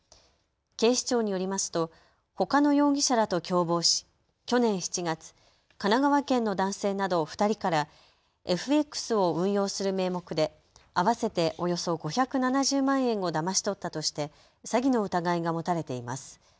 警視庁によりますとほかの容疑者らと共謀し去年７月、神奈川県の男性など２人からＦＸを運用する名目で合わせておよそ５７０万円をだまし取ったとして詐欺の疑いが持たれています。